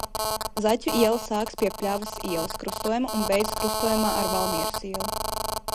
Zaķu iela sākas pie Pļavas ielas krustojuma un beidzas krustojumā ar Valmieras ielu.